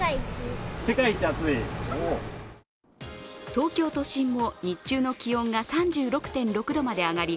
東京都心も日中の気温が３６．６度まで上がり